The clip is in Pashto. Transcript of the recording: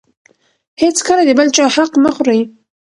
هېڅکله د بل چا حق مه خورئ.